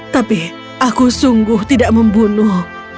tapi aku sungguh tidak membunuh